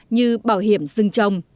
như bảo hiểm rừng trồng